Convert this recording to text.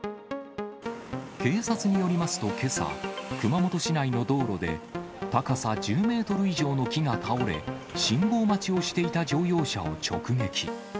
警察によりますと、けさ、熊本市内の道路で、高さ１０メートル以上の木が倒れ、信号待ちをしていた乗用車を直撃。